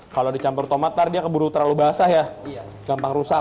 kalau dicampur tomat nanti dia keburu terlalu basah ya gampang rusak